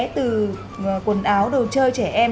từ quần áo đồ chơi trẻ em